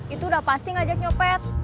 itu udah pasti ngajak nyopet